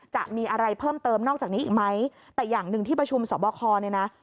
จะมีอะไรเพิ่มเติมนอกจากนี้อีกไหมแต่อย่างหนึ่งที่ประชุมสอบคอเนี่ยนะ